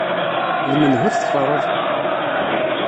D menhu tfeḍreḍ?